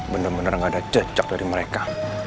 bener bener gak ada jejak dari mereka